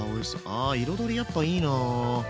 あ彩りやっぱいいな。